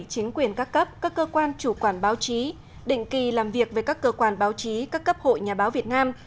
chính quyền các cấp các cơ quan chủ quản báo chí định kỳ làm việc với các cơ quan báo chí các cấp hội nhà báo việt nam